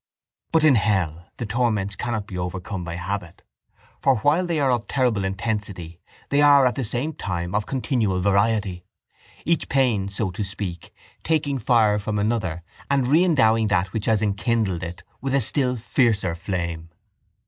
But in hell the torments cannot be overcome by habit, for while they are of terrible intensity they are at the same time of continual variety, each pain, so to speak, taking fire from another and re endowing that which has enkindled it with a still fiercer flame.